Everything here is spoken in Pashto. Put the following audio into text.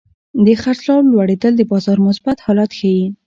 د خرڅلاو لوړېدل د بازار مثبت حالت ښيي.